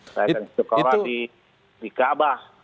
saya akan istiqorah di kabah